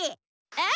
えっ！